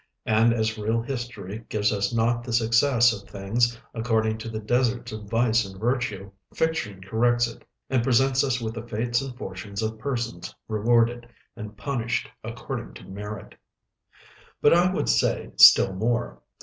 And as real History gives us not the success of things according to the deserts of vice and virtue, Fiction corrects it and presents us with the fates and fortunes of persons rewarded and punished according to merit." But I would say still more.